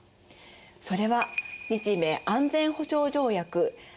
それは日米安全保障条約安保です。